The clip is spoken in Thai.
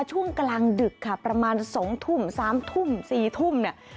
ช่วงกลางดึกค่ะประมาณ๒ทุ่ม๓ทุ่ม๔ทุ่มเนี่ย